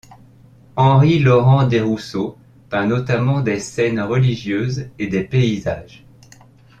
Henri Laurent-Desrousseaux peint notamment des scènes religieuses et des paysages.